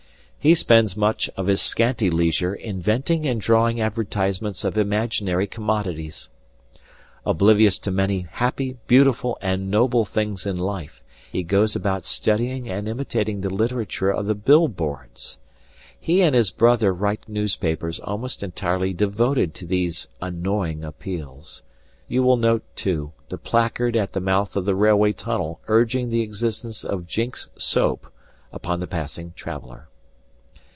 He spends much of his scanty leisure inventing and drawing advertisements of imaginary commodities. Oblivious to many happy, beautiful, and noble things in life, he goes about studying and imitating the literature of the billboards. He and his brother write newspapers almost entirely devoted to these annoying appeals. You will note, too, the placard at the mouth of the railway tunnel urging the existence of Jinks' Soap upon the passing traveller.